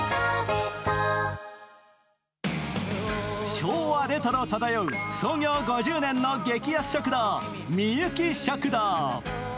昭和レトロ漂う創業５０年の大衆食堂、みゆき食堂。